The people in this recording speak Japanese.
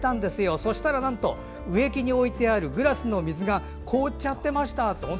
そうしたら、なんと植木に置いてあるグラスの水が凍っていました。